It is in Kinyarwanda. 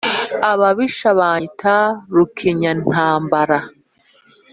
Ababisha banyita Rukenyantambara